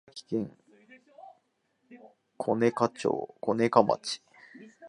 長崎県小値賀町